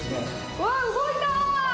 うわ動いた！